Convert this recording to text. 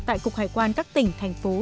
tại cục hải quan các tỉnh thành phố trên cả nước